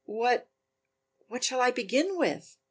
"What what shall I begin with?"